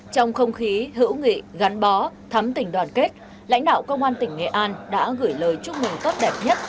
trong không khí hữu nghị gắn bó thắm tỉnh đoàn kết lãnh đạo công an tỉnh nghệ an đã gửi lời chúc mừng tốt đẹp nhất